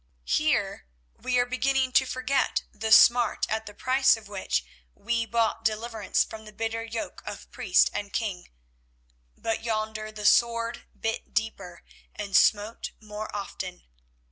Here we are beginning to forget the smart at the price of which we bought deliverance from the bitter yoke of priest and king, but yonder the sword bit deeper and smote more often.